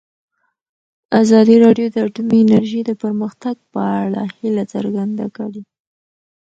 ازادي راډیو د اټومي انرژي د پرمختګ په اړه هیله څرګنده کړې.